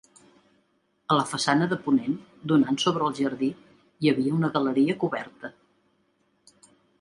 A la façana de ponent, donant sobre el jardí, hi havia una galeria coberta.